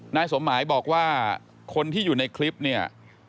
นายสมหมายบอกว่าคนที่อยู่ในคลิปเนี่ย